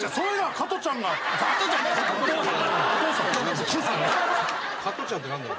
加トちゃんって何だよ。